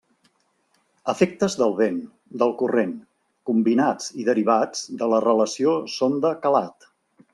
Efectes del vent, del corrent, combinats i derivats de la relació sonda calat.